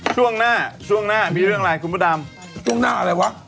ช่วงหน้าช่วงหน้ามีเรื่องอะไรคุณพระดำช่วงหน้าอะไรวะ